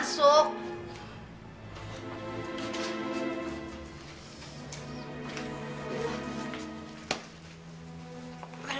nggak ada apa apa